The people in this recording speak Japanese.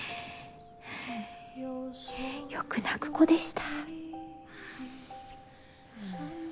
よく泣く子でした。